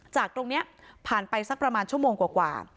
จากตรงนี้ผ่านไปสักประมาณชั่วโมงกว่า